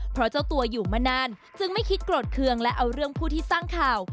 เพราะเจ้าตัวอยู่มานานจึงไม่คิดโกรธเคืองและเอาเรื่องผู้ที่สร้างข่าว